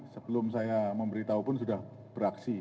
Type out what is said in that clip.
sebelum saya memberitahupun sudah beraksi